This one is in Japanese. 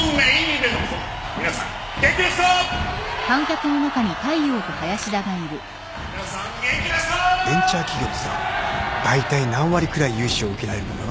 ベンチャー企業ってさだいたい何割くらい融資を受けられるもんなの？